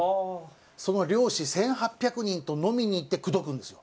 その漁師１８００人と飲みに行って口説くんですよ。